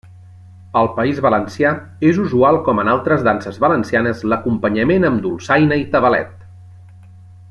Al País Valencià és usual com en altres danses valencianes l'acompanyament amb dolçaina i tabalet.